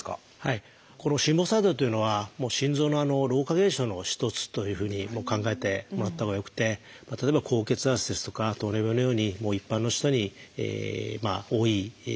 この心房細動というのは心臓の老化現象の一つというふうに考えてもらったほうがよくて例えば高血圧ですとか糖尿病のように一般の人に多い疾患です。